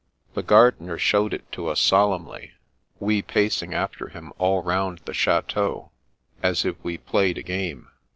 The gardener sho^ved it to us solemnly, we pacing after him all roimd the chateau, as if we played a game.